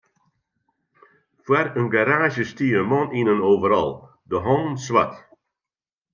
Foar in garaazje stie in man yn in overal, de hannen swart.